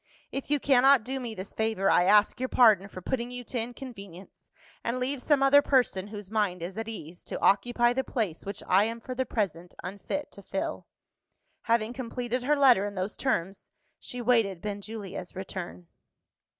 If you cannot do me this favour, I ask your pardon for putting you to inconvenience, and leave some other person, whose mind is at ease, to occupy the place which I am for the present unfit to fill." Having completed her letter in those terms, she waited Benjulia's return.